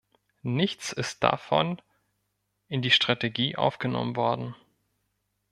Nichts ist davon in die Strategie aufgenommen worden.